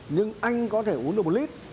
nhưng anh có thể uống được một lít